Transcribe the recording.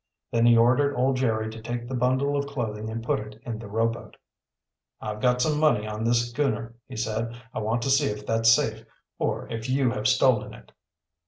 Then he ordered old Jerry to take the bundle of clothing and put it in the rowboat. "I've got some money on this schooner," he said. "I want to see if that's safe, or if you have stolen it."